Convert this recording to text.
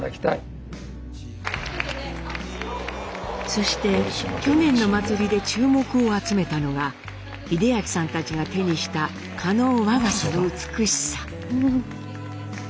そして去年の祭りで注目を集めたのが英明さんたちが手にした加納和傘の美しさ。